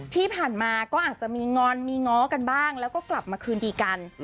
ที่ผ่านมาก็อาจจะมีงอนมีง้อกันบ้างแล้วก็กลับมาคืนดีกัน